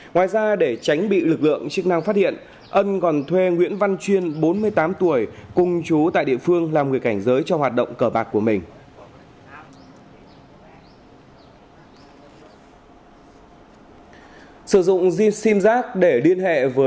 ngoài ra để tránh bị lực lượng chức năng phát hiện ân còn thuê nguyễn văn chuyên bốn mươi tám tuổi cùng chú tại địa phương làm người cảnh giới cho hoạt động cờ bạc của mình